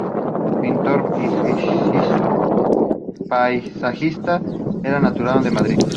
Pintor paisajista, era natural de Madrid.